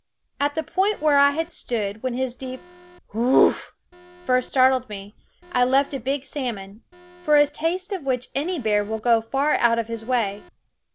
At the point where I had stood when his deep Hoowuff ! first startled me I left a big salmon, for a taste of which any bear will go far out of his way.